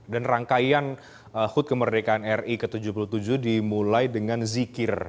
dan rangkaian hud kemerdekaan ri ke tujuh puluh tujuh dimulai dengan zikir